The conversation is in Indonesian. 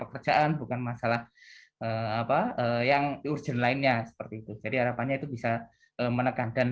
kerjaan bukan masalah apa yang urgent lainnya seperti itu jadi harapannya itu bisa menekan dan